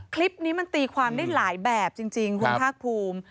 คลิปนี้มันตีความได้หลายแบบจริงคุณภาคภูมิ